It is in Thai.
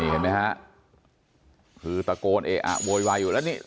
เห็นไหมฮะคือตะโกนเออะโวยวายอยู่แล้วนี่